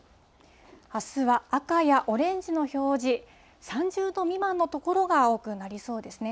あすは赤やオレンジの表示、３０度未満の所が多くなりそうですね。